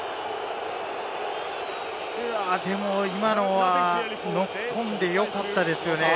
でも今のはノックオンでよかったですよね。